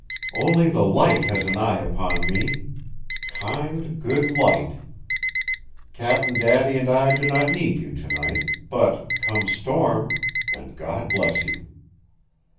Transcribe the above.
"Only the Light has an eye upon me! Kind, good Light! Cap'n Daddy and I do not need you to night, but, come storm, then God bless you!"